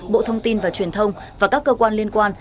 bộ thông tin và truyền thông và các cơ quan liên quan